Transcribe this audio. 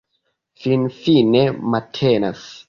Finfine matenas.